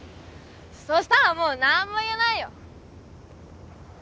そしたらもう何も言えないよ。